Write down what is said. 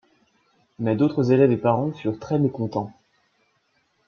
Mais d'autres élèves et parents furent très mécontents.